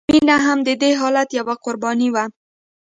مینه هم د دې حالت یوه قرباني وه